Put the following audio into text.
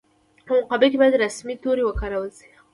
په مقاله کې باید رسمي توري وکارول شي.